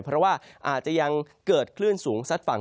เพราะว่าอาจจะยังเกิดคลื่นสูงซัดฝั่ง